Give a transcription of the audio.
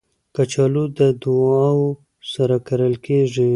کچالو له دعاوو سره کرل کېږي